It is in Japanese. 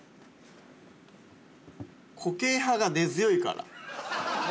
固形派が根強いから。